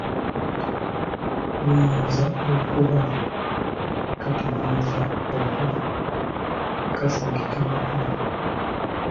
Luyinza okuba kategeeza oba kasagika makulu.